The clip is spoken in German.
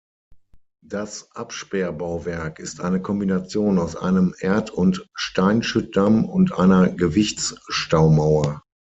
Das Absperrbauwerk ist eine Kombination aus einem Erd- und Steinschüttdamm und einer Gewichtsstaumauer.